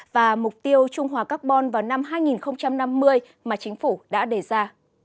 và mục tiêu trung hòa carbon vào năm hai nghìn năm mươi mà chính phủ đã đề ra